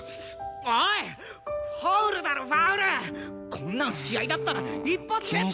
こんなの試合だったら一発レッド！